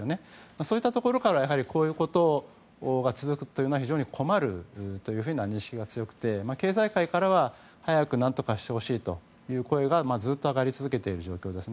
そういったところからこういうことが続くというのは非常に困るという認識が強くて経済界からは早く何とかしてほしいという声がずっと上がり続けている状況です。